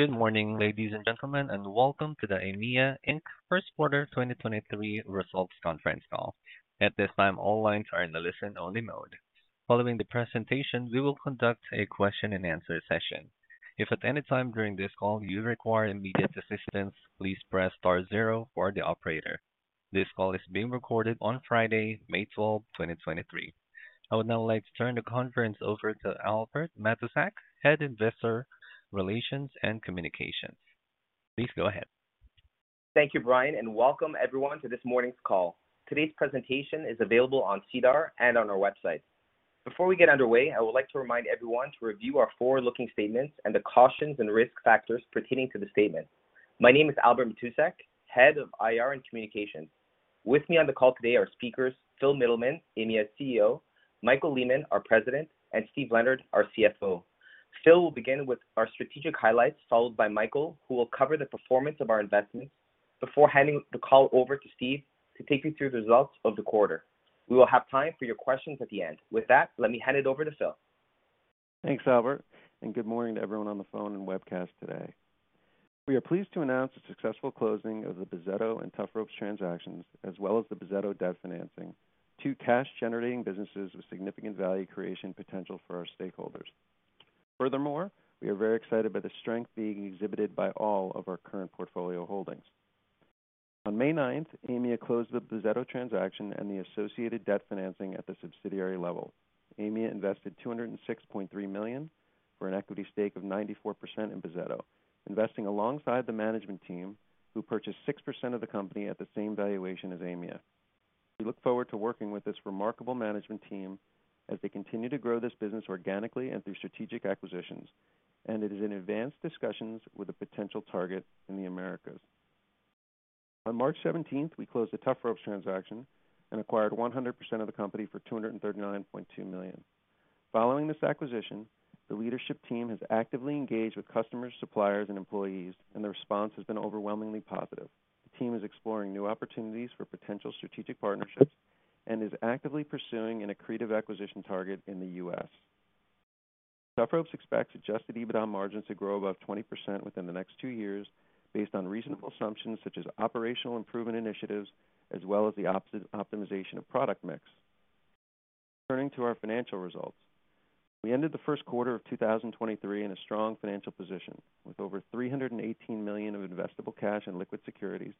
Good morning, ladies and gentlemen, welcome to the Aimia Inc. first quarter 2023 results conference call. At this time, all lines are in a listen-only mode. Following the presentation, we will conduct a question-and-answer session. If at any time during this call you require immediate assistance, please press star zero for the operator. This call is being recorded on Friday, May 12th, 2023. I would now like to turn the conference over to Albert Matousek, Head Investor Relations and Communications. Please go ahead. Thank you, Brian, and welcome everyone to this morning's call. Today's presentation is available on SEDAR and on our website. Before we get underway, I would like to remind everyone to review our forward-looking statements and the cautions and risk factors pertaining to the statement. My name is Albert Matousek, Head of IR and Communications. With me on the call today are speakers Phil Mittleman, Aimia's CEO, Michael Lehmann, our President, and Steve Leonard, our CFO. Phil will begin with our strategic highlights, followed by Michael, who will cover the performance of our investments before handing the call over to Steve to take you through the results of the quarter. We will have time for your questions at the end. With that, let me hand it over to Phil. Thanks, Albert. Good morning to everyone on the phone and webcast today. We are pleased to announce the successful closing of the Bozzetto and Tufropes transactions, as well as the Bozzetto debt financing, two cash-generating businesses with significant value creation potential for our stakeholders. Furthermore, we are very excited by the strength being exhibited by all of our current portfolio holdings. On May ninth, Aimia closed the Bozzetto transaction and the associated debt financing at the subsidiary level. Aimia invested 206.3 million for an equity stake of 94% in Bozzetto, investing alongside the management team, who purchased 6% of the company at the same valuation as Aimia. We look forward to working with this remarkable management team as they continue to grow this business organically and through strategic acquisitions. It is in advanced discussions with a potential target in the Americas. On March 17th, we closed the Tufropes transaction and acquired 100% of the company for 239.2 million. Following this acquisition, the leadership team has actively engaged with customers, suppliers, and employees. The response has been overwhelmingly positive. The team is exploring new opportunities for potential strategic partnerships and is actively pursuing an accretive acquisition target in the U.S. Tufropes expects adjusted EBITDA margins to grow above 20% within the next two years based on reasonable assumptions such as operational improvement initiatives as well as the optimization of product mix. Turning to our financial results. We ended the first quarter of 2023 in a strong financial position with over 318 million of investable cash and liquid securities,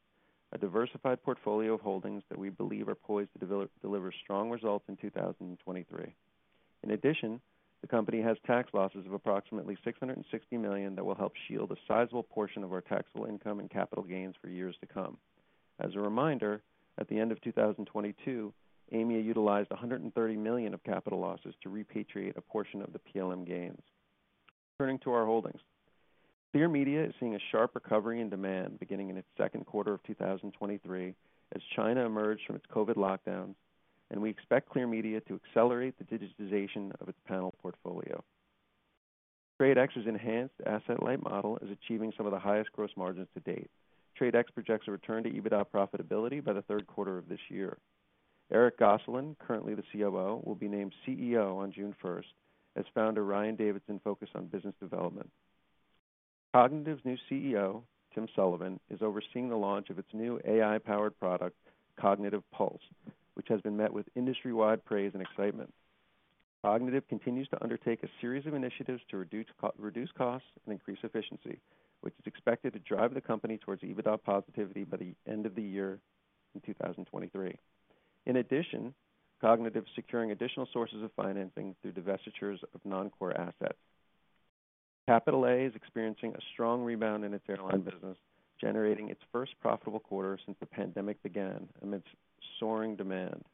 a diversified portfolio of holdings that we believe are poised to deliver strong results in 2023. The company has tax losses of approximately 660 million that will help shield a sizable portion of our taxable income and capital gains for years to come. As a reminder, at the end of 2022, Aimia utilized 130 million of capital losses to repatriate a portion of the PLM gains. Turning to our holdings. Clear Channel is seeing a sharp recovery in demand beginning in its second quarter of 2023 as China emerged from its COVID lockdowns, we expect Clear Channel to accelerate the digitization of its panel portfolio. TRADE X's enhanced asset-light model is achieving some of the highest gross margins to date. TRADE X projects a return to EBITDA profitability by the third quarter of this year. Eric Gosselin, currently the COO, will be named CEO on June first as founder Ryan Davidson focus on business development. Kognitiv's new CEO, Tim Sullivan, is overseeing the launch of its new AI-powered product, Kognitiv Pulse, which has been met with industry-wide praise and excitement. Kognitiv continues to undertake a series of initiatives to reduce costs and increase efficiency, which is expected to drive the company towards EBITDA positivity by the end of the year in 2023. In addition, Kognitiv is securing additional sources of financing through divestitures of non-core assets. Capital A is experiencing a strong rebound in its airline business, generating its first profitable quarter since the pandemic began amidst soaring demand.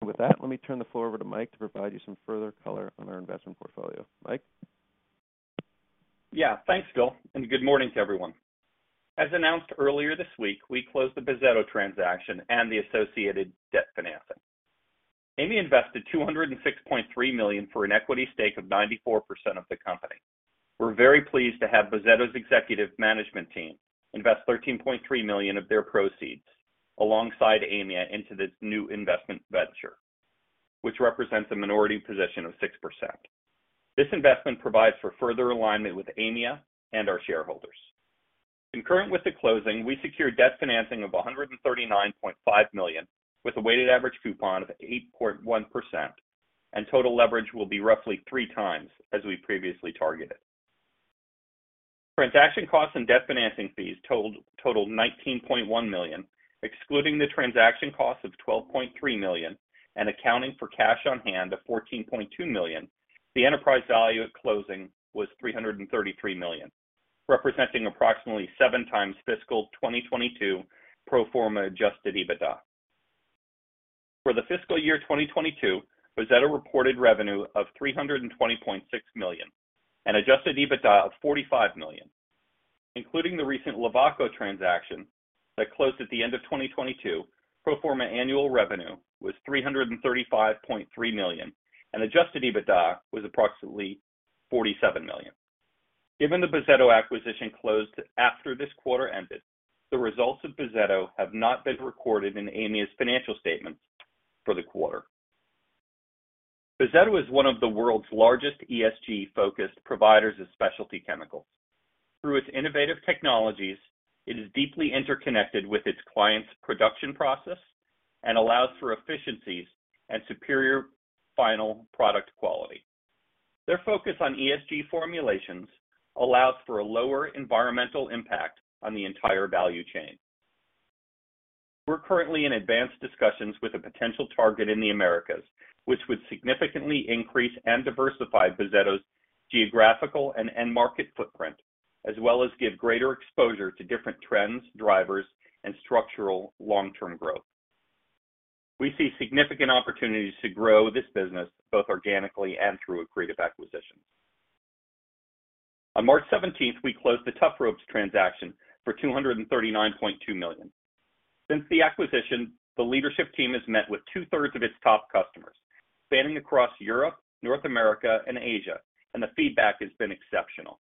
With that, let me turn the floor over to Mike to provide you some further color on our investment portfolio. Mike? Yeah. Thanks, Phil, and good morning to everyone. As announced earlier this week, we closed the Bozzetto transaction and the associated debt financing. Aimia invested 206.3 million for an equity stake of 94% of the company. We're very pleased to have Bozzetto's executive management team invest 13.3 million of their proceeds alongside Aimia into this new investment venture, which represents a minority position of 6%. This investment provides for further alignment with Aimia and our shareholders. Concurrent with the closing, we secured debt financing of 139.5 million with a weighted average coupon of 8.1% and total leverage will be roughly three times as we previously targeted. Transaction costs and debt financing fees totaled 19.1 million. Excluding the transaction cost of 12.3 million and accounting for cash on hand of 14.2 million, the enterprise value at closing was 333 million, representing approximately 7x fiscal 2022 pro forma adjusted EBITDA. For the fiscal year 2022, Bozzetto reported revenue of 320.6 million and adjusted EBITDA of 45 million. Including the recent Lovaco transaction that closed at the end of 2022, pro forma annual revenue was 335.3 million, and adjusted EBITDA was approximately 47 million. Given the Bozzetto acquisition closed after this quarter ended, the results of Bozzetto have not been recorded in Aimia's financial statements for the quarter. Bozzetto is one of the world's largest ESG-focused providers of specialty chemicals. Through its innovative technologies, it is deeply interconnected with its clients' production process and allows for efficiencies and superior final product quality. Their focus on ESG formulations allows for a lower environmental impact on the entire value chain. We're currently in advanced discussions with a potential target in the Americas, which would significantly increase and diversify Bozzetto's geographical and end market footprint, as well as give greater exposure to different trends, drivers, and structural long-term growth. We see significant opportunities to grow this business both organically and through accretive acquisitions. On March seventeenth, we closed the Tufropes transaction for 239.2 million. Since the acquisition, the leadership team has met with two-thirds of its top customers, spanning across Europe, North America, and Asia, and the feedback has been exceptional.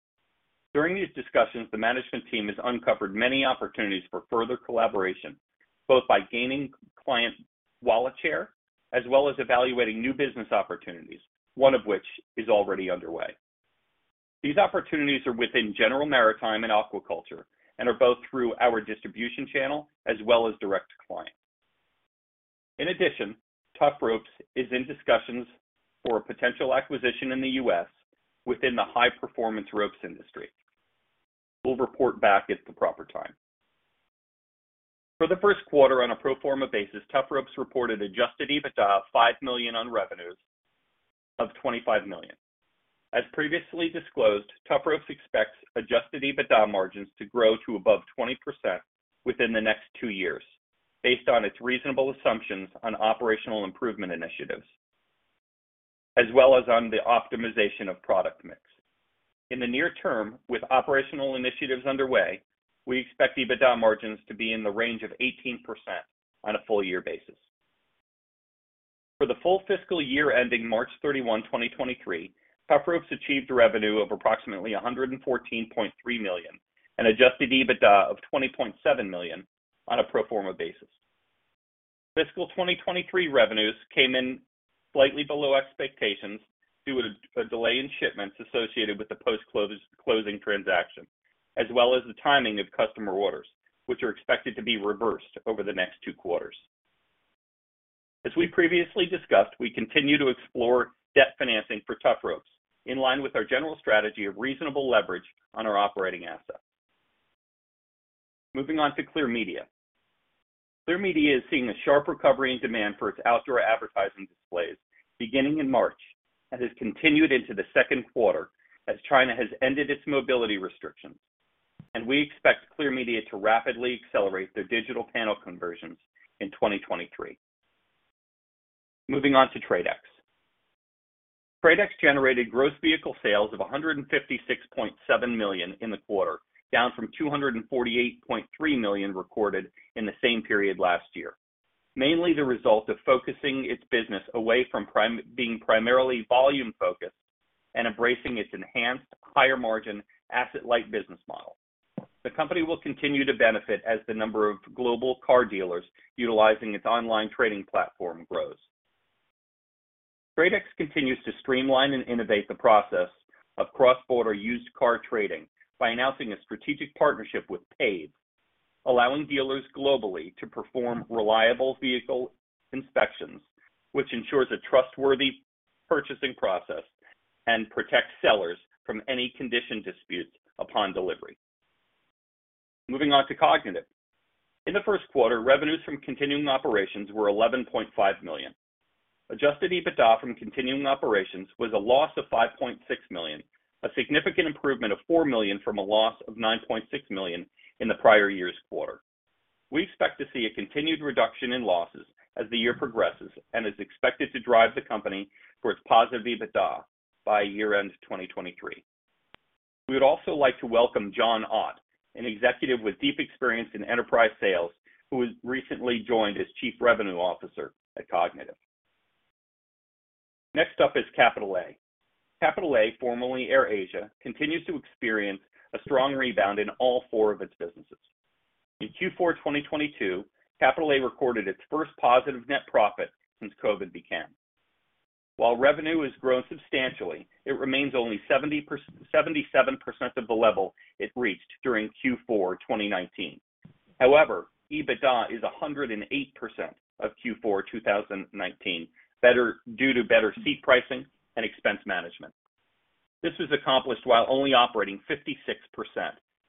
During these discussions, the management team has uncovered many opportunities for further collaboration, both by gaining client wallet share as well as evaluating new business opportunities, one of which is already underway. These opportunities are within general maritime and aquaculture and are both through our distribution channel as well as direct client. In addition, Tufropes is in discussions for a potential acquisition in the U.S. within the high-performance ropes industry. We'll report back at the proper time. For the first quarter on a pro forma basis, Tufropes reported adjusted EBITDA of $5 million on revenues of $25 million. As previously disclosed, Tufropes expects adjusted EBITDA margins to grow to above 20% within the next two years based on its reasonable assumptions on operational improvement initiatives as well as on the optimization of product mix. In the near term, with operational initiatives underway, we expect EBITDA margins to be in the range of 18% on a full year basis. For the full fiscal year ending March 31st, 2023, Tufropes achieved revenue of approximately 114.3 million and adjusted EBITDA of 20.7 million on a pro forma basis. Fiscal 2023 revenues came in slightly below expectations due to a delay in shipments associated with the post-close closing transaction, as well as the timing of customer orders, which are expected to be reversed over the next two quarters. As we previously discussed, we continue to explore debt financing for Tufropes in line with our general strategy of reasonable leverage on our operating assets. Moving on to Clear Media. Clear Media is seeing a sharp recovery in demand for its outdoor advertising displays beginning in March and has continued into the second quarter as China has ended its mobility restrictions. We expect Clear Media to rapidly accelerate their digital panel conversions in 2023. Moving on to TRADE X. TRADE X generated gross vehicle sales of $156.7 million in the quarter, down from $248.3 million recorded in the same period last year, mainly the result of focusing its business away from being primarily volume-focused and embracing its enhanced higher margin asset-light business model. The company will continue to benefit as the number of global car dealers utilizing its online trading platform grows. TRADE X continues to streamline and innovate the process of cross-border used car trading by announcing a strategic partnership with PAVE, allowing dealers globally to perform reliable vehicle inspections, which ensures a trustworthy purchasing process and protects sellers from any condition disputes upon delivery. Moving on to Kognitiv. In the first quarter, revenues from continuing operations were 11.5 million. Adjusted EBITDA from continuing operations was a loss of 5.6 million, a significant improvement of 4 million from a loss of 9.6 million in the prior year's quarter. We expect to see a continued reduction in losses as the year progresses and is expected to drive the company towards positive EBITDA by year-end 2023. We would also like to welcome Jon Ott, an executive with deep experience in enterprise sales, who has recently joined as Chief Revenue Officer at Kognitiv. Next up is Capital A. Capital A, formerly AirAsia, continues to experience a strong rebound in all four of its businesses. In Q4 of 2022, Capital A recorded its first positive net profit since COVID began. While revenue has grown substantially, it remains only 77% of the level it reached during Q4 of 2019. However, EBITDA is 108% of Q4 2019, due to better seat pricing and expense management. This was accomplished while only operating 56%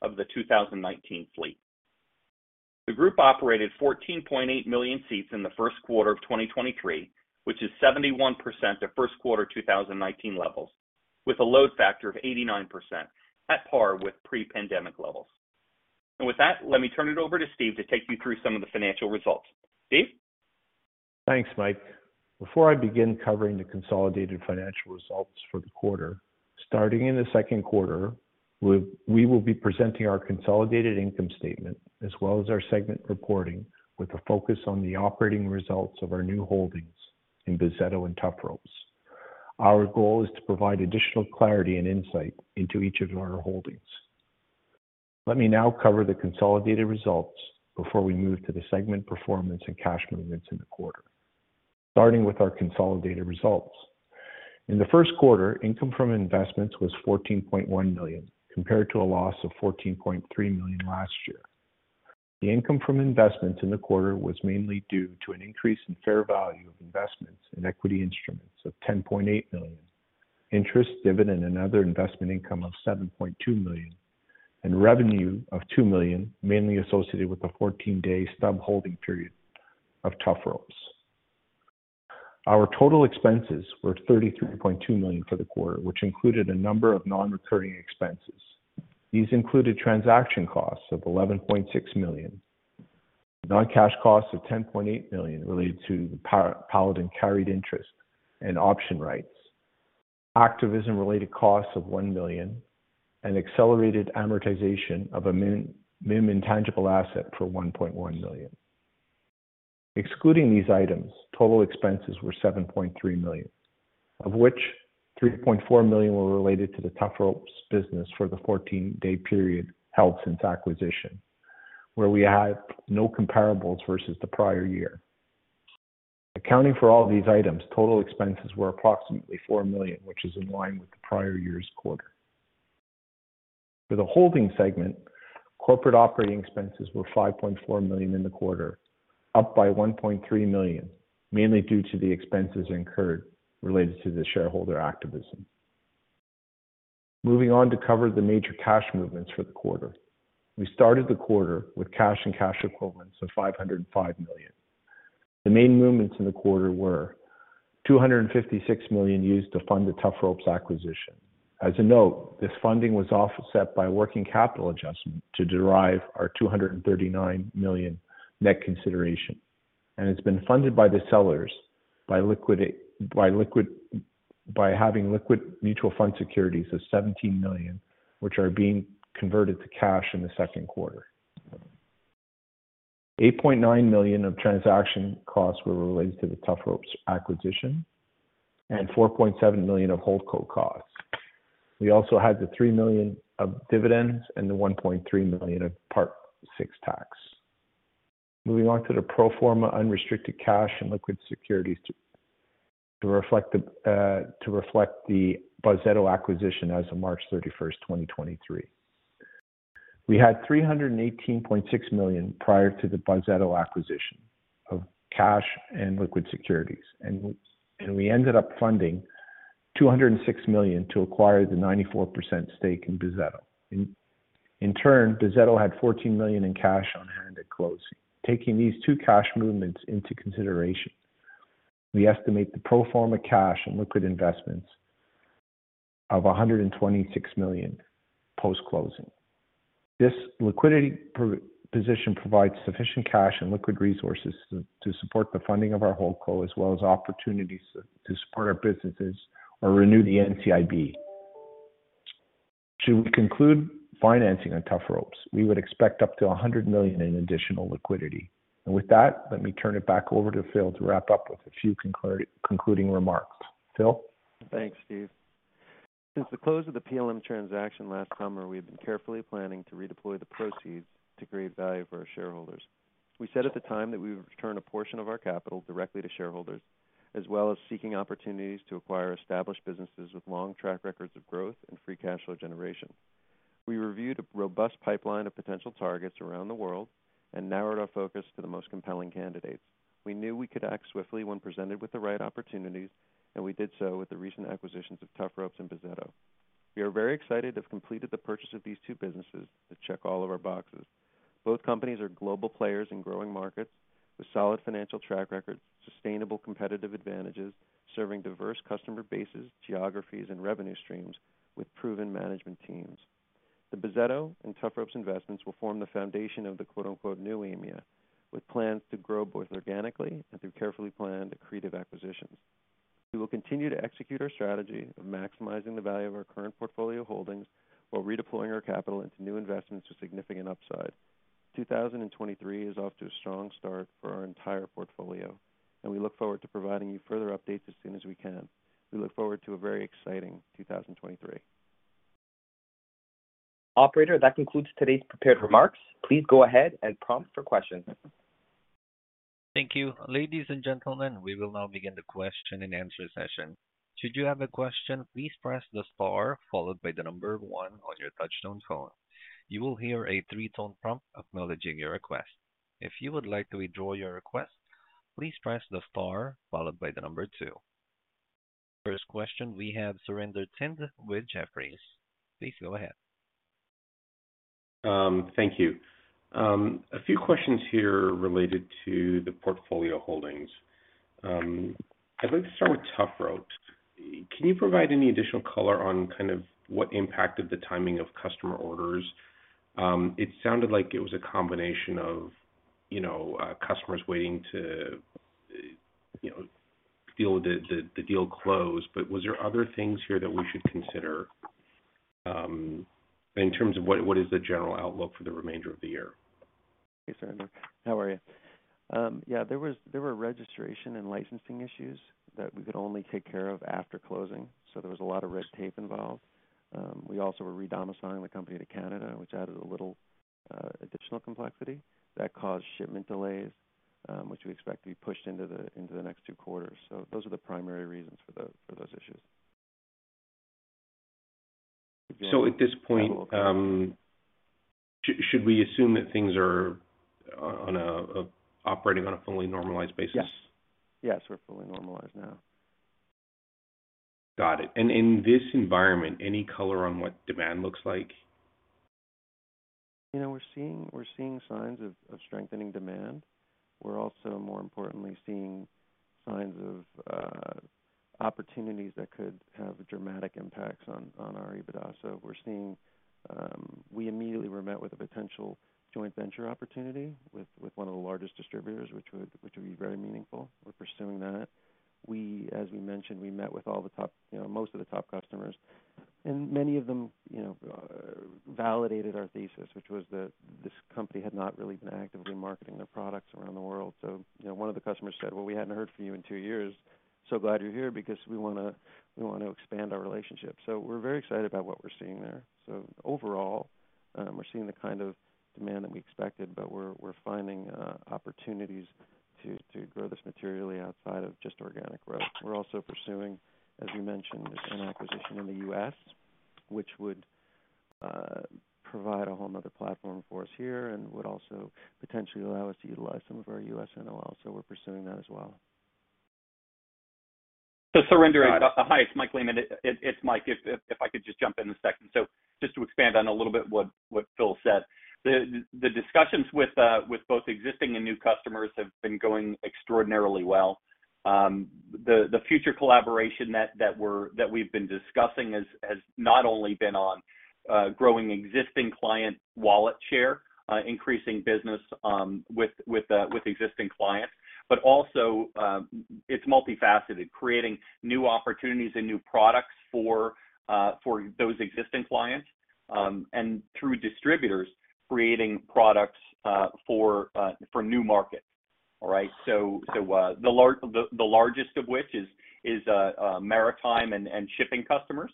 of the 2019 fleet. The group operated 14.8 million seats in the first quarter of 2023, which is 71% of first quarter 2019 levels with a load factor of 89%, at par with pre-pandemic levels. With that, let me turn it over to Steve to take you through some of the financial results. Steve? Thanks, Mike. Before I begin covering the consolidated financial results for the quarter, starting in the second quarter we will be presenting our consolidated income statement as well as our segment reporting with a focus on the operating results of our new holdings in Bozzetto and Tufropes. Our goal is to provide additional clarity and insight into each of our holdings. Let me now cover the consolidated results before we move to the segment performance and cash movements in the quarter. Starting with our consolidated results. In the first quarter, income from investments was 14.1 million, compared to a loss of 14.3 million last year. The income from investments in the quarter was mainly due to an increase in fair value of investments in equity instruments of 10.8 million, interest, dividend, and other investment income of 7.2 million, and revenue of 2 million, mainly associated with the 14-day stub holding period of Tufropes. Our total expenses were 33.2 million for the quarter, which included a number of non-recurring expenses. These included transaction costs of 11.6 million, non-cash costs of 10.8 million related to the Paladin carried interest and option rights, activism related costs of 1 million, and accelerated amortization of an intangible asset for 1.1 million. Excluding these items, total expenses were 7.3 million, of which 3.4 million were related to the Tufropes business for the 14-day period held since acquisition, where we have no comparables versus the prior year. Accounting for all these items, total expenses were approximately 4 million, which is in line with the prior year's quarter. For the holding segment, corporate operating expenses were 5.4 million in the quarter, up by 1.3 million, mainly due to the expenses incurred related to the shareholder activism. Moving on to cover the major cash movements for the quarter. We started the quarter with cash and cash equivalents of 505 million. The main movements in the quarter were 256 million used to fund the Tufropes acquisition. This funding was offset by working capital adjustment to derive our 239 million net consideration. It's been funded by the sellers by having liquid mutual fund securities of 17 million, which are being converted to cash in the second quarter. 8.9 million of transaction costs were related to the Tufropes acquisition and 4.7 million of holdco costs. We also had the 3 million of dividends and the 1.3 million of Part VI.1 tax. Moving on to the pro forma unrestricted cash and liquid securities to reflect the Bozzetto acquisition as of March 31st, 2023. We had 318.6 million prior to the Bozzetto acquisition of cash and liquid securities, we ended up funding 206 million to acquire the 94% stake in Bozzetto. In turn, Bozzetto had 14 million in cash on hand at closing. Taking these two cash movements into consideration, we estimate the pro forma cash and liquid investments of 126 million post-closing. This liquidity position provides sufficient cash and liquid resources to support the funding of our holdco as well as opportunities to support our businesses or renew the NCIB. Should we conclude financing on Tufropes, we would expect up to 100 million in additional liquidity. With that, let me turn it back over to Phil to wrap up with a few concluding remarks. Phil? Thanks, Steve. Since the close of the PLM transaction last summer, we have been carefully planning to redeploy the proceeds to create value for our shareholders. We said at the time that we would return a portion of our capital directly to shareholders, as well as seeking opportunities to acquire established businesses with long track records of growth and free cash flow generation. We reviewed a robust pipeline of potential targets around the world and narrowed our focus to the most compelling candidates. We knew we could act swiftly when presented with the right opportunities, and we did so with the recent acquisitions of Tufropes and Bozzetto. We are very excited to have completed the purchase of these two businesses that check all of our boxes. Both companies are global players in growing markets with solid financial track records, sustainable competitive advantages, serving diverse customer bases, geographies and revenue streams with proven management teams. The Bozzetto and Tufropes investments will form the foundation of the quote unquote new Aimia, with plans to grow both organically and through carefully planned accretive acquisitions. We will continue to execute our strategy of maximizing the value of our current portfolio holdings while redeploying our capital into new investments with significant upside. 2023 is off to a strong start for our entire portfolio, we look forward to providing you further updates as soon as we can. We look forward to a very exciting 2023. Operator, that concludes today's prepared remarks. Please go ahead and prompt for questions. Thank you. Ladies and gentlemen, we will now begin the question and answer session. Should you have a question, please press the star followed by 1 on your touch tone phone. You will hear a 3-tone prompt acknowledging your request. If you would like to withdraw your request, please press the star followed by 2. First question, we have Surinder Thind with Jefferies. Please go ahead. Thank you. A few questions here related to the portfolio holdings. I'd like to start with Tufropes. Can you provide any additional color on kind of what impacted the timing of customer orders? It sounded like it was a combination of, you know, customers waiting to, you know, feel the deal close. Was there other things here that we should consider, in terms of what is the general outlook for the remainder of the year? Hey, Surinder. How are you? Yeah, there were registration and licensing issues that we could only take care of after closing. There was a lot of red tape involved. We also were re-domiciling the company to Canada, which added a little additional complexity that caused shipment delays, which we expect to be pushed into the next two quarters. Those are the primary reasons for those issues. At this point, should we assume that things are operating on a fully normalized basis? Yes. Yes, we're fully normalized now. Got it. In this environment, any color on what demand looks like? You know, we're seeing signs of strengthening demand. We're also, more importantly, seeing signs of opportunities that could have dramatic impacts on our EBITDA. We're seeing. We immediately were met with a potential joint venture opportunity with one of the largest distributors, which would be very meaningful. We're pursuing that. We, as we mentioned, we met with all the top, you know, most of the top customers, many of them, you know, validated our thesis, which was that this company had not really been actively marketing their products around the world. You know, one of the customers said, "Well, we hadn't heard from you in two years. So glad you're here because we wanna expand our relationship." We're very excited about what we're seeing there. Overall, we're seeing the kind of demand that we expected, we're finding opportunities to grow this materially outside of just organic growth. We're also pursuing, as we mentioned, an acquisition in the U.S., which would provide a whole another platform for us here and would also potentially allow us to utilize some of our U.S. NOLs. We're pursuing that as well. Surinder. Got it. Hi, it's Michael Lehmann. It's Mike Lehmann, if I could just jump in a second. Just to expand on a little bit what Phil said. The discussions with both existing and new customers have been going extraordinarily well. The future collaboration that we're that we've been discussing has not only been on growing existing client wallet share, increasing business with existing clients, but also it's multifaceted, creating new opportunities and new products for those existing clients, and through distributors, creating products for new markets. All right. The largest of which is maritime and shipping customers.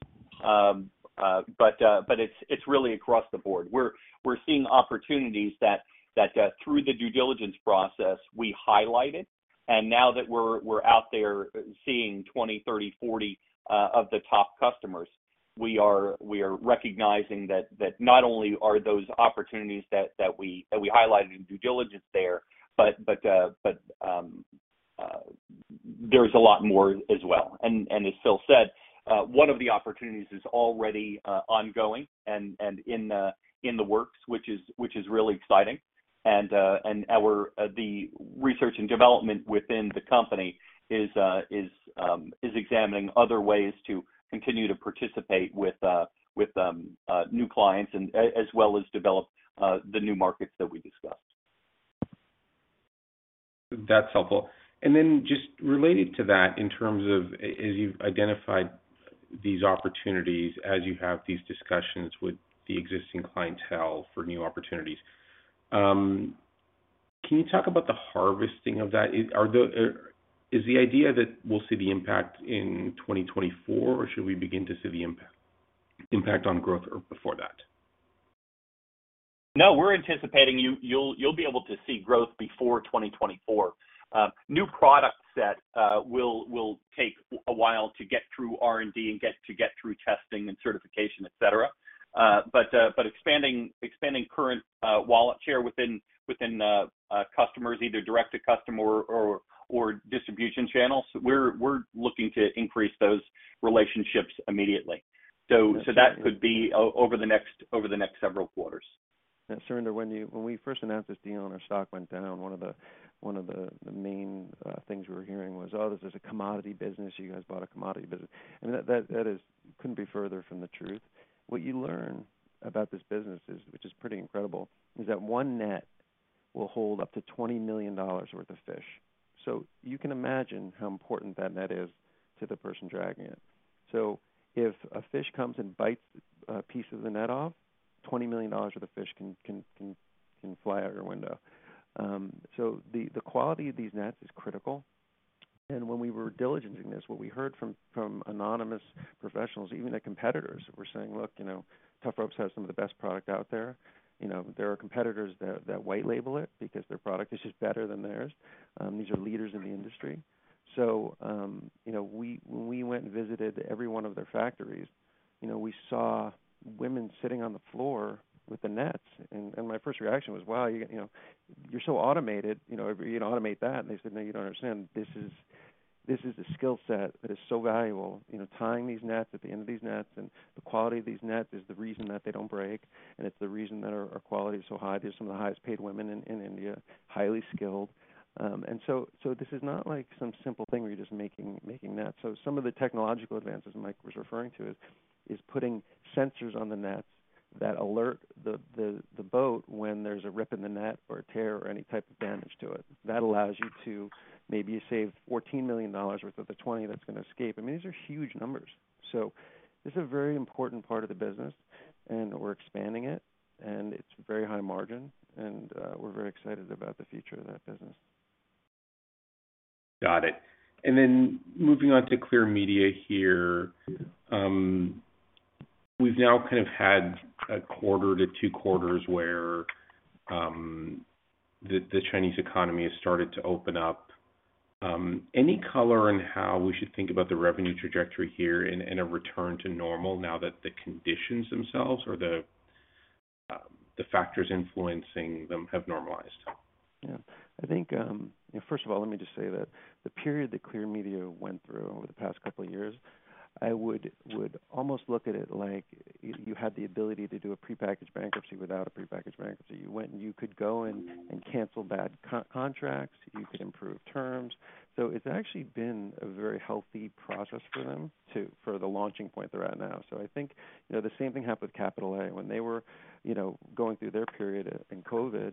It's really across the board. We're seeing opportunities that through the due diligence process we highlighted, now that we're out there seeing 20, 30, 40 of the top customers, we are recognizing that not only are those opportunities that we highlighted in due diligence there, but there's a lot more as well. As Phil said, one of the opportunities is already ongoing and in the works, which is really exciting. Our research and development within the company is examining other ways to continue to participate with new clients as well as develop the new markets that we discussed. That's helpful. Then just related to that, in terms of as you've identified these opportunities, as you have these discussions with the existing clientele for new opportunities, can you talk about the harvesting of that? Is the idea that we'll see the impact in 2024, or should we begin to see the impact on growth or before that? We're anticipating you'll be able to see growth before 2024. New products that will take a while to get through R&D and to get through testing and certification, et cetera. But expanding current wallet share within customers, either direct to customer or distribution channels, we're looking to increase those relationships immediately. That's great. That could be over the next several quarters. Surinder, when we first announced this deal and our stock went down, one of the main things we were hearing was, "Oh, this is a commodity business. You guys bought a commodity business." That couldn't be further from the truth. What you learn about this business is, which is pretty incredible, is that one net will hold up to $20 million worth of fish. You can imagine how important that net is to the person dragging it. If a fish comes and bites a piece of the net off, $20 million worth of fish can fly out your window. The, the quality of these nets is critical, and when we were diligencing this, what we heard from anonymous professionals, even the competitors were saying, "Look, you know, Tufropes has some of the best product out there." You know, there are competitors that white label it because their product is just better than theirs. These are leaders in the industry. You know, we, when we went and visited every one of their factories, you know, we saw women sitting on the floor with the nets, and my first reaction was, "Wow, you know, you're so automated, you know, you'd automate that." And they said, "No, you don't understand. This is a skill set that is so valuable. You know, tying these nets at the end of these nets. The quality of these nets is the reason that they don't break, and it's the reason that our quality is so high. These are some of the highest paid women in India, highly skilled. This is not like some simple thing where you're just making nets. Some of the technological advances Mike was referring to is putting sensors on the nets that alert the boat when there's a rip in the net or a tear or any type of damage to it. That allows you to maybe save 14 million dollars worth of the 20 that's gonna escape. I mean, these are huge numbers. This is a very important part of the business, and we're expanding it, and it's very high margin, and we're very excited about the future of that business. Got it. Moving on to Clear Media here. We've now kind of had a quarter to two quarters where the Chinese economy has started to open up. Any color on how we should think about the revenue trajectory here in a return to normal now that the conditions themselves or the factors influencing them have normalized? I think, first of all, let me just say that the period that Clear Media went through over the past couple of years, I would almost look at it like you had the ability to do a prepackaged bankruptcy without a prepackaged bankruptcy. You went and you could go and cancel bad co-contracts. You could improve terms. It's actually been a very healthy process for them for the launching point they're at now. I think, you know, the same thing happened with Capital A. When they were, you know, going through their period in COVID,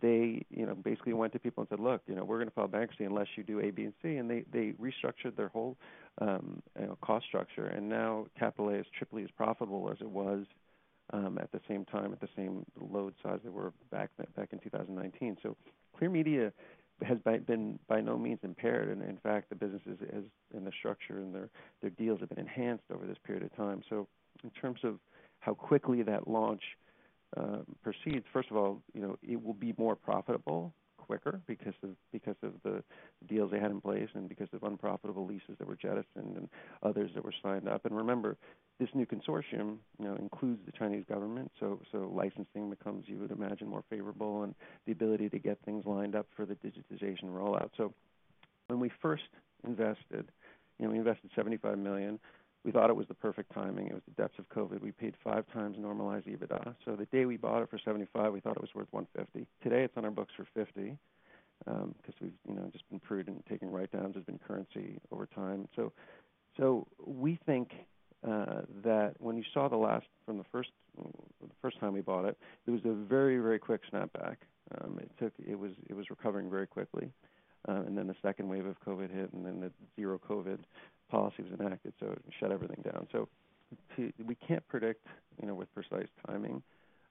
they, you know, basically went to people and said, "Look, you know, we're gonna file bankruptcy unless you do A, B, and C." They restructured their whole, you know, cost structure. Now Capital A is triply as profitable as it was, at the same time, at the same load size they were back in 2019. Clear Media has been by no means impaired. In fact, the business is in the structure, and their deals have been enhanced over this period of time. In terms of how quickly that launch proceeds, first of all, you know, it will be more profitable quicker because of the deals they had in place and because of unprofitable leases that were jettisoned and others that were signed up. Remember, this new consortium, you know, includes the Chinese government, so licensing becomes, you would imagine, more favorable and the ability to get things lined up for the digitization rollout. When we first invested, you know, we invested $75 million. We thought it was the perfect timing. It was the depths of COVID. We paid five times normalized EBITDA. The day we bought it for 75, we thought it was worth 150. Today, it's on our books for 50, because we've, you know, just been prudent, taking write-downs, there's been currency over time. We think that when you saw the last from the first time we bought it was a very, very quick snapback. It was recovering very quickly. And then the second wave of COVID hit, and then the zero COVID policy was enacted, so it shut everything down. We can't predict, you know, with precise timing,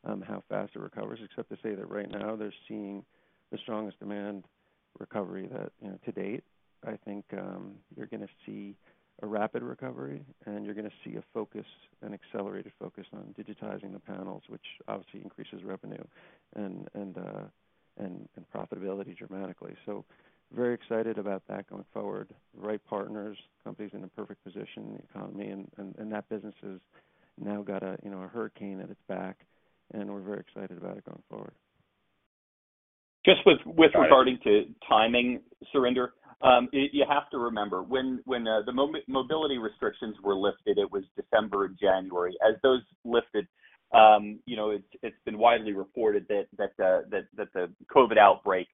how fast it recovers, except to say that right now they're seeing the strongest demand recovery that, you know, to date. I think, you're gonna see a rapid recovery, and you're gonna see a focus, an accelerated focus on digitizing the panels, which obviously increases revenue and profitability dramatically. Very excited about that going forward. The right partners, company's in a perfect position in the economy, and that business has now got a, you know, a hurricane at its back, and we're very excited about it going forward. Just with regarding to timing, Surinder, you have to remember, when the mobility restrictions were lifted, it was December and January. As those lifted, you know, it's been widely reported that the COVID outbreak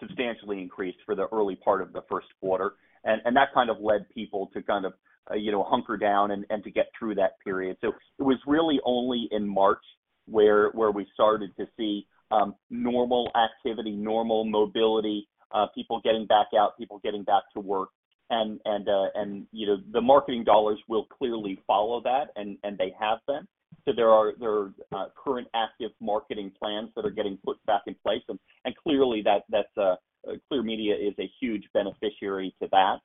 substantially increased for the early part of the first quarter. That kind of led people to kind of, you know, hunker down and to get through that period. It was really only in March where we started to see normal activity, normal mobility, people getting back out, people getting back to work. You know, the marketing dollars will clearly follow that, and they have been. There are current active marketing plans that are getting put back in place. Clearly, that Clear Media is a huge beneficiary to that.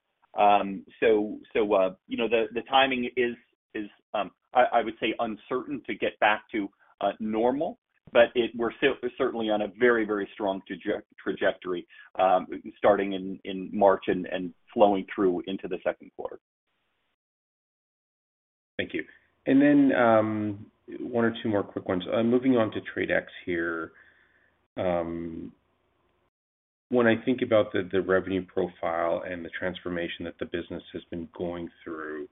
You know, the timing is, I would say uncertain to get back to normal, but we're certainly on a very strong trajectory, starting in March and flowing through into the second quarter. Thank you. One or two more quick ones. Moving on to TRADE X here. When I think about the revenue profile and the transformation that the business has been going through,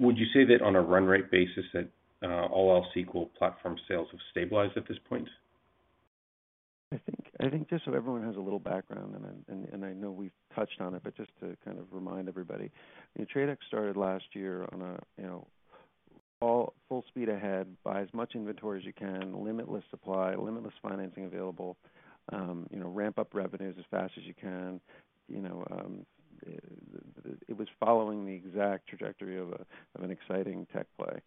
would you say that on a run rate basis that all else equal platform sales have stabilized at this point? I think just so everyone has a little background, and I know we've touched on it, but just to kind of remind everybody. You know, TRADE X started last year on a, you know, full speed ahead, buy as much inventory as you can, limitless supply, limitless financing available, you know, ramp up revenues as fast as you can. You know, it was following the exact trajectory of a, of an exciting tech play.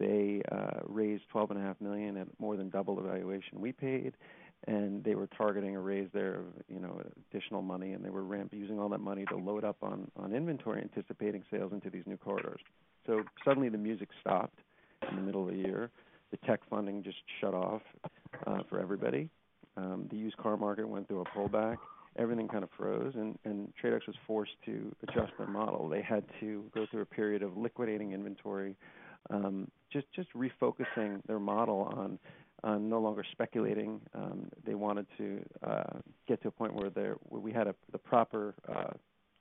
They raised twelve and a half million at more than double the valuation we paid, and they were targeting a raise there of, you know, additional money, and they were using all that money to load up on inventory, anticipating sales into these new corridors. Suddenly, the music stopped in the middle of the year. The tech funding just shut off for everybody. The used car market went through a pullback. Everything kind of froze, and TRADE X was forced to adjust their model. They had to go through a period of liquidating inventory, just refocusing their model on no longer speculating. They wanted to get to a point where we had the proper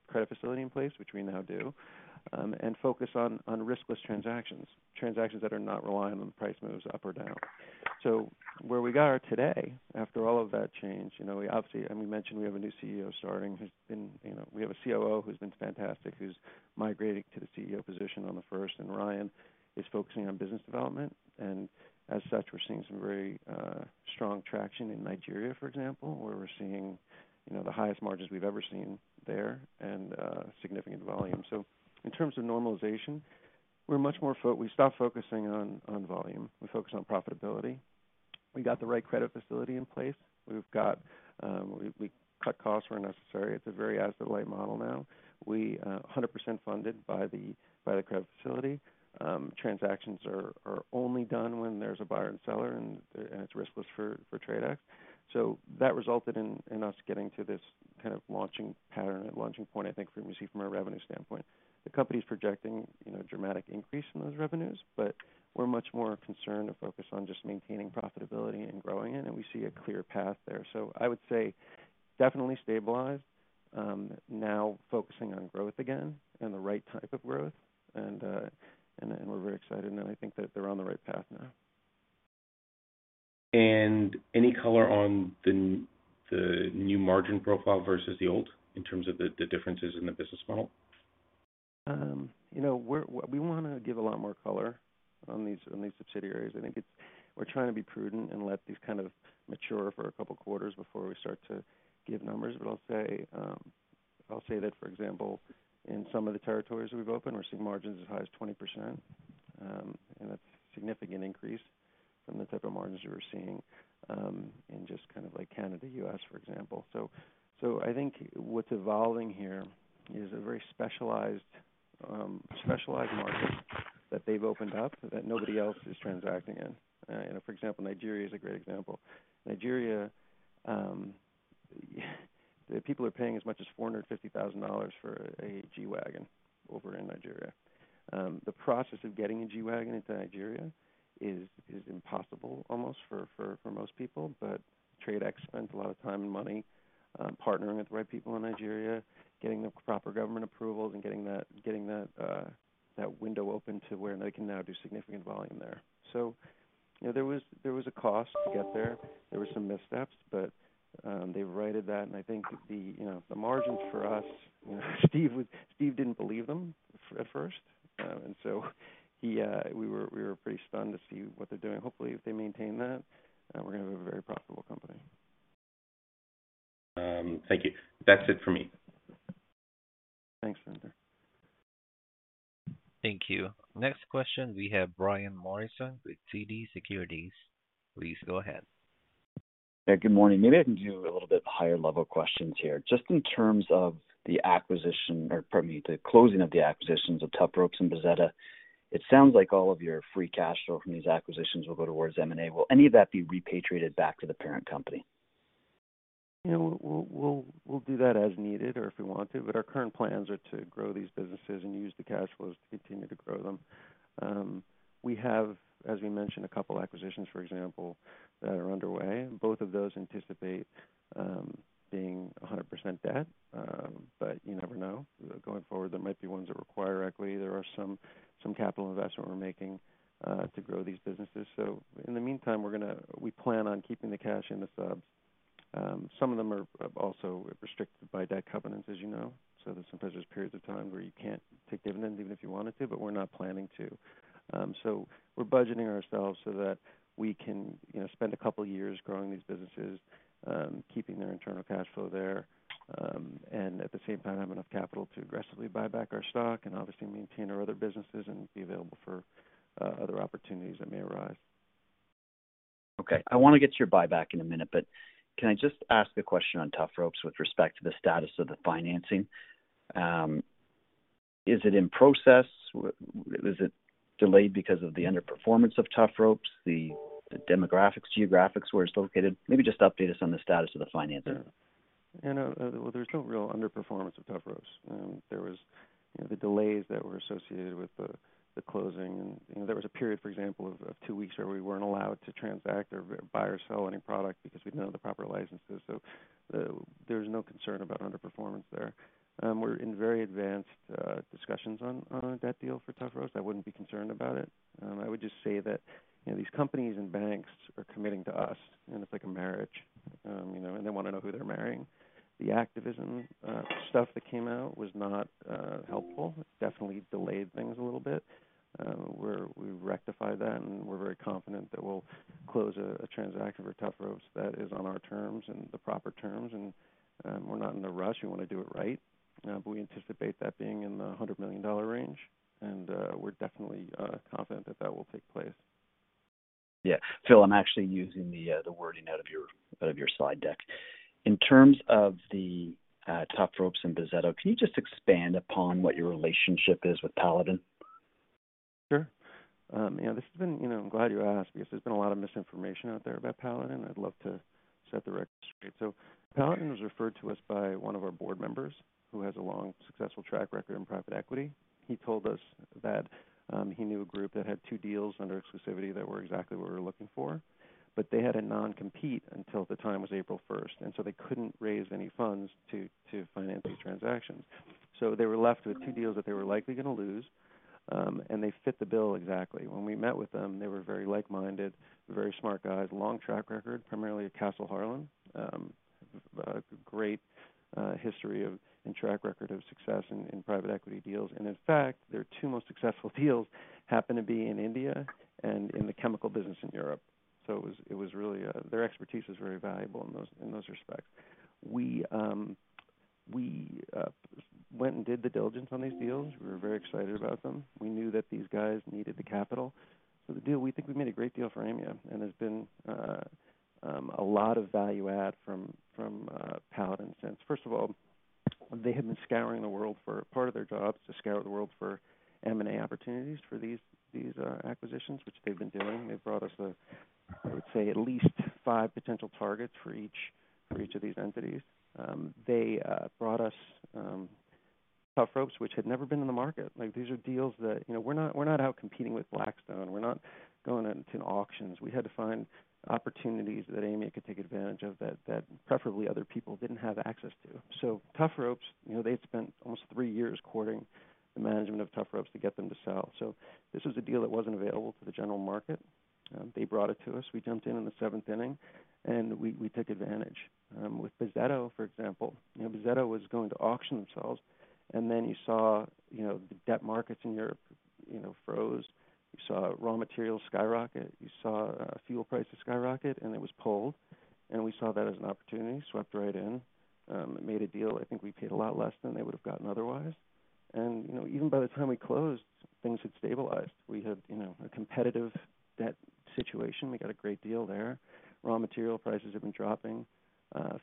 credit facility in place, which we now do, and focus on riskless transactions that are not reliant on the price moves up or down. Where we are today, after all of that change, you know, we obviously, and we mentioned we have a new CEO starting, who's been, you know, we have a COO who's been fantastic, who's migrating to the CEO position on the first, and Ryan is focusing on business development. As such, we're seeing some very strong traction in Nigeria, for example, where we're seeing the highest margins we've ever seen there and significant volume. In terms of normalization, we're much more we stopped focusing on volume. We focused on profitability. We got the right credit facility in place. We've got we cut costs where necessary. It's a very asset-light model now. We 100% funded by the credit facility. Transactions are only done when there's a buyer and seller and it's riskless for TRADE X. That resulted in us getting to this kind of launching pattern and launching point, I think, from a we see from a revenue standpoint. The company's projecting, you know, dramatic increase in those revenues, but we're much more concerned or focused on just maintaining profitability and growing it. We see a clear path there. I would say definitely stabilized, now focusing on growth again and the right type of growth. We're very excited, and I think that they're on the right path now. Any color on the new margin profile versus the old in terms of the differences in the business model? You know, We wanna give a lot more color on these, on these subsidiaries. I think it's. We're trying to be prudent and let these kind of mature for a couple quarters before we start to give numbers, but I'll say, I'll say that, for example, in some of the territories we've opened, we're seeing margins as high as 20%, and that's significant increase from the type of margins we were seeing, in just kind of like Canada, U.S., for example. I think what's evolving here is a very specialized market that they've opened up that nobody else is transacting in. You know, for example, Nigeria is a great example. Nigeria, the people are paying as much as 450,000 dollars for a G-Wagon over in Nigeria. The process of getting a G-Wagon into Nigeria is impossible almost for most people. TRADE X spends a lot of time and money, partnering with the right people in Nigeria, getting the proper government approvals and getting that window open to where they can now do significant volume there. You know, there was a cost to get there. There were some missteps, but they've righted that. I think the, you know, the margins for us, you know, Steve didn't believe them at first. He, we were pretty stunned to see what they're doing. Hopefully, if they maintain that, we're gonna have a very profitable company. Thank you. That's it for me. Thanks, Hunter. Thank you. Next question, we have Brian Morrison with TD Securities. Please go ahead. Yeah, good morning. Maybe I can do a little bit higher level questions here. Just in terms of the acquisition or pardon me, the closing of the acquisitions of Tufropes and Bozzetto, it sounds like all of your free cash flow from these acquisitions will go towards M&A. Will any of that be repatriated back to the parent company? Yeah. We'll do that as needed or if we want to, but our current plans are to grow these businesses and use the cash flows to continue to grow them. We have, as we mentioned, a couple acquisitions, for example, that are underway. Both of those anticipate being 100% debt, but you never know. Going forward, there might be ones that require equity. There are some capital investment we're making to grow these businesses. In the meantime, we plan on keeping the cash in the subs. Some of them are also restricted by debt covenants, as you know. closing. You know, there was a period, for example, of two weeks where we weren't allowed to transact or buy or sell any product because we didn't have the proper licenses. There's no concern about underperformance there. We're in very advanced discussions on a debt deal for Tufropes. I wouldn't be concerned about it. I would just say that, you know, these companies and banks are committing to us, and it's like a marriage. You know, and they wanna know who they're marrying. The activism stuff that came out was not helpful. It definitely delayed things a little bit. we've rectified that, and we're very confident that we'll close a transaction for Tufropes that is on our terms and the proper terms. we're not in a rush. We wanna do it right. we anticipate that being in the $100 million range, and we're definitely confident that that will take place. Yeah. Phil, I'm actually using the wording out of your, out of your slide deck. In terms of the Tufropes and Bozzetto, can you just expand upon what your relationship is with Paladin? Sure. You know, this has been... You know, I'm glad you asked because there's been a lot of misinformation out there about Paladin. I'd love to set the record straight. Paladin was referred to us by one of our board members who has a long, successful track record in private equity. He told us that, he knew a group that had two deals under exclusivity that were exactly what we're looking for, but they had a non-compete until the time was April first, and so they couldn't raise any funds to finance these transactions. They were left with 2 deals that they were likely gonna lose, and they fit the bill exactly. When we met with them, they were very like-minded, very smart guys, long track record, primarily at Castle Harlan. A great history of and track record of success in private equity deals. In fact, their two most successful deals happen to be in India and in the chemical business in Europe. It was, it was really, their expertise was very valuable in those, in those respects. We went and did the diligence on these deals. We were very excited about them. We knew that these guys needed the capital. We think we made a great deal for Aimia, and there's been a lot of value add from Paladin since. First of all, they had been scouring the world for. Part of their job is to scour the world for M&A opportunities for these acquisitions, which they've been doing. They've brought us, I would say, at least five potential targets for each of these entities. They brought us Tufropes, which had never been in the market. Like, these are deals that, you know, we're not, we're not out competing with Blackstone. We're not going out into auctions. We had to find opportunities that Aimia could take advantage of that preferably other people didn't have access to. Tufropes, you know, they had spent almost three years courting the management of Tufropes to get them to sell. This was a deal that wasn't available to the general market. They brought it to us. We jumped in in the seventh inning, and we took advantage. With Bozzetto, for example, you know, Bozzetto was going to auction themselves. You saw, you know, the debt markets in Europe, you know, froze. You saw raw materials skyrocket. You saw fuel prices skyrocket. It was pulled. We saw that as an opportunity, swept right in. Made a deal. I think we paid a lot less than they would have gotten otherwise. You know, even by the time we closed, things had stabilized. We had, you know, a competitive debt situation. We got a great deal there. Raw material prices have been dropping.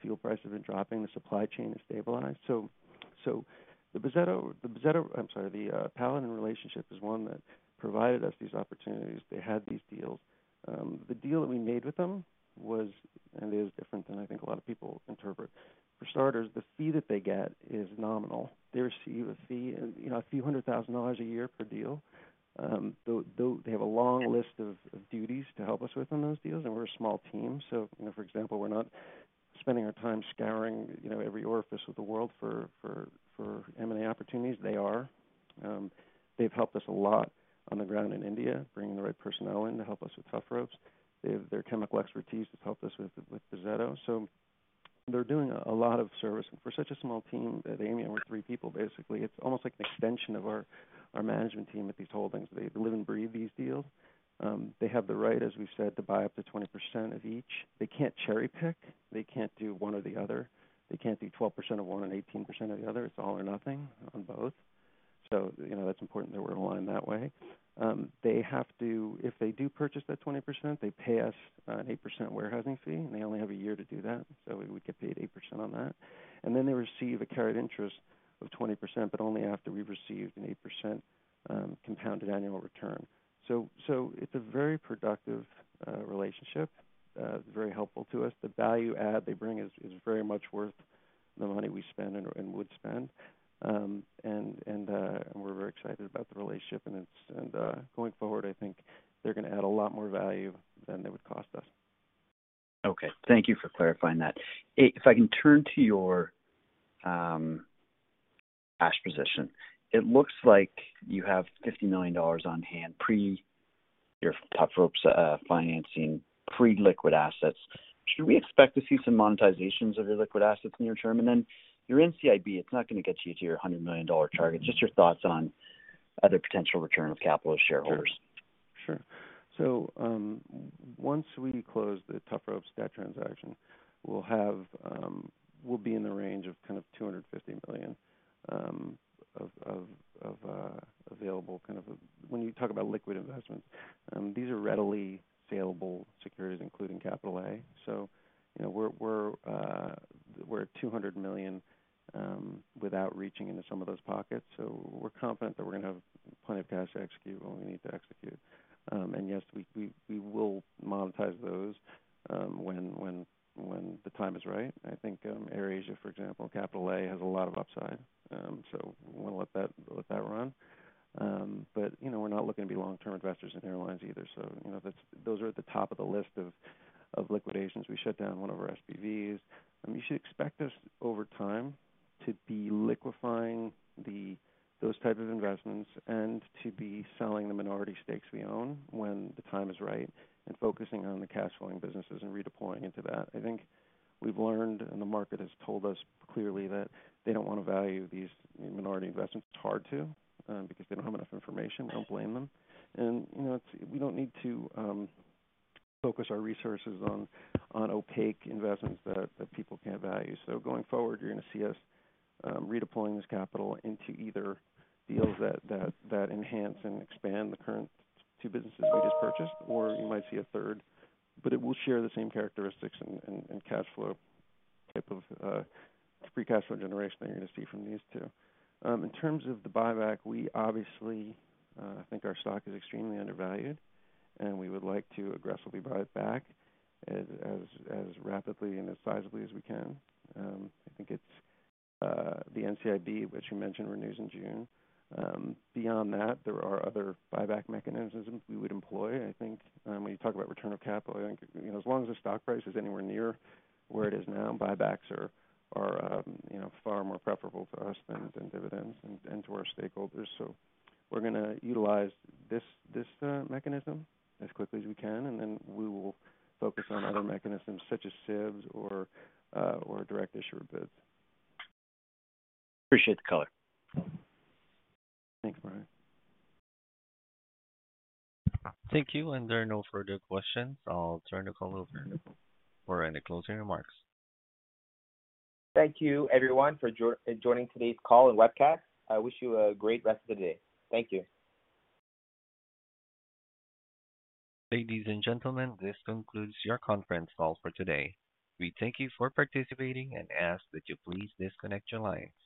Fuel prices have been dropping. The supply chain has stabilized. The Paladin relationship is one that provided us these opportunities. They had these deals. The deal that we made with them was, and is different than I think a lot of people interpret. The fee that they get is nominal. Their fee, the fee is a few hundred thousand CAD a year per deal. They have a long list of duties to help us with on those deals, and we're a small team. For example, we're not spending our time scouring every orifice of the world for M&A opportunities. They are. They've helped us a lot on the ground in India, bringing the right personnel in to help us with Tufropes. Their chemical expertise has helped us with Bozzetto. They're doing a lot of servicing. For such a small team at Aimia, we're 3 people, basically. It's almost like an extension of our management team at these holdings. They live and breathe these deals. They have the right, as we've said, to buy up to 20% of each. They can't cherry-pick. They can't do one or the other. They can't do 12% of one and 18% of the other. It's all or nothing on both. You know, that's important that we're aligned that way. If they do purchase that 20%, they pay us an 8% warehousing fee, and they only have a year to do that, so we get paid 8% on that. They receive a carried interest of 20%, but only after we've received an 8% compounded annual return. It's a very productive relationship. It's very helpful to us. The value add they bring is very much worth the money we spend and would spend. We're very excited about the relationship and it's. Going forward, I think they're gonna add a lot more value than they would cost us. Okay. Thank you for clarifying that. If I can turn to your cash position. It looks like you have 50 million dollars on hand pre your Tufropes financing, pre-liquid assets. Should we expect to see some monetizations of your liquid assets near term? Your NCIB, it's not gonna get you to your 100 million dollar target. Just your thoughts on other potential return of capital to shareholders. Sure. Sure. Once we close the Tufropes debt transaction, we'll have, we'll be in the range of kind of 250 million of available kind of... When you talk about liquid investments, these are readily salable securities, including Capital A. You know, we're at 200 million without reaching into some of those pockets. We're confident that we're gonna have plenty of cash to execute what we need to execute. Yes, we will monetize those when the time is right. I think AirAsia, for example, Capital A has a lot of upside. We wanna let that run. You know, we're not looking to be long-term investors in airlines either. You know, that's... Those are at the top of the list of liquidations. We shut down one of our SPVs. I mean, you should expect us over time to be liquefying those type of investments and to be selling the minority stakes we own when the time is right and focusing on the cash flowing businesses and redeploying into that. I think we've learned, the market has told us clearly that they don't wanna value these minority investments. It's hard to, because they don't have enough information. I don't blame them. You know, we don't need to focus our resources on opaque investments that people can't value. Going forward, you're gonna see us redeploying this capital into either deals that enhance and expand the current two businesses we just purchased or you might see a third. It will share the same characteristics and cash flow type of free cash flow generation that you're gonna see from these two. In terms of the buyback, we obviously think our stock is extremely undervalued, and we would like to aggressively buy it back as rapidly and as sizably as we can. I think it's the NCIB, which you mentioned, renews in June. Beyond that, there are other buyback mechanisms we would employ. I think, when you talk about return of capital, I think, you know, as long as the stock price is anywhere near where it is now, buybacks are, you know, far more preferable for us than dividends and to our stakeholders. We're gonna utilize this mechanism as quickly as we can, and then we will focus on other mechanisms such as SIVs or or a direct issuer bid. Appreciate the color. Thanks, Brian. Thank you. There are no further questions. I'll turn the call over for any closing remarks. Thank you, everyone, for joining today's call and webcast. I wish you a great rest of the day. Thank you. Ladies and gentlemen, this concludes your conference call for today. We thank you for participating and ask that you please disconnect your lines.